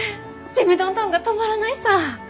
ちむどんどんが止まらないさ！